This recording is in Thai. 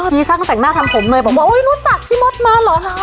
ที่ช่างแต่งหน้าทำผมเลยบอกว่าอุ๊ยรู้จักพี่มดมาเหรอคะ